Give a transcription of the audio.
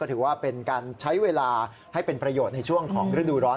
ถือว่าเป็นการใช้เวลาให้เป็นประโยชน์ในช่วงของฤดูร้อน